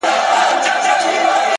o نو زه له تاسره،